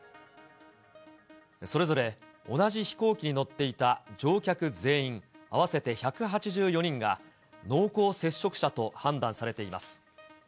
それぞれ同じ飛行機に乗っていた乗客全員合わせて１８４人が、濃厚接触者と判断されています。